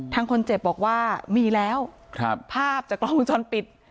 ทางคนเจ็บบอกว่ามีแล้วภาพจากกล้องกุญชนปิด